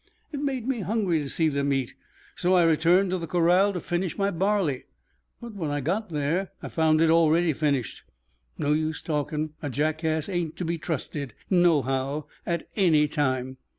It made me hungry to see them eat, so I returned to the corral to finish my barley; but when I got there I found it already finished. No use talking, a jackass ain't to be trusted, nohow, at any time.